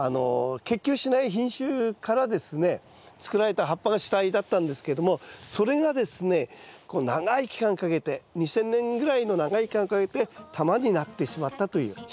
結球しない品種からですね作られた葉っぱが主体だったんですけどもそれがですねこう長い期間かけて２，０００年ぐらいの長い期間かけて玉になってしまったという。